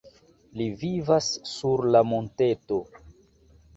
Li vivas sur la monteto.